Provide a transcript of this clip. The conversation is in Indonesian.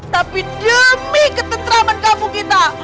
tapi demi ketentraman kamu kita